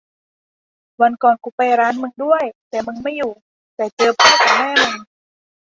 วันก่อนกูไปร้านมึงด้วย แต่มึงไม่อยู่ เจอแต่พ่อกะแม่มึง